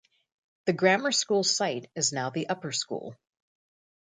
The grammar school site is now the upper school.